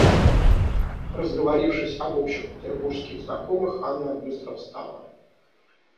Разговорившись об общих петербургских знакомых, Анна быстро встала.